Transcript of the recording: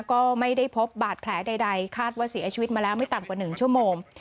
ก็ไม่ได้พบบาดแผลใดคาดว่าเสียชีวิตมาแล้วไม่ต่ำกว่า๑ชั่วโมง